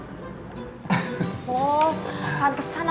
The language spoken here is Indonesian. pantesan sama bapak tuh gak ada sunda sundanya sama sekali ya pak